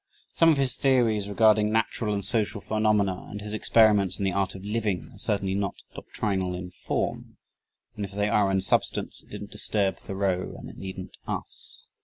Some of his theories regarding natural and social phenomena and his experiments in the art of living are certainly not doctrinal in form, and if they are in substance it didn't disturb Thoreau and it needn't us...